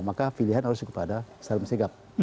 maka pilihan harus kepada salim segap